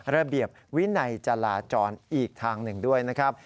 ระเบียบวินัยจราจรอีกทางหนึ่งด้วยนะครับ